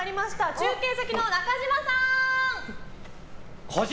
中継先の中嶋さん！